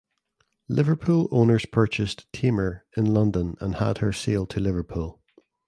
Liverpool owners purchased "Tamer" in London and had her sail to Liverpool.